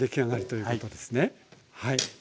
はい。